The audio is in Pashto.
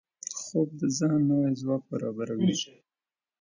خوب د ذهن نوي ځواک برابروي